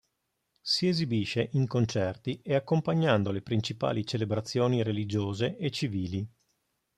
Si esibisce in concerti e accompagnando le principali celebrazioni religiose e civili.